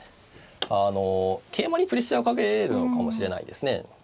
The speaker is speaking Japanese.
あの桂馬にプレッシャーをかけるのかもしれないですね。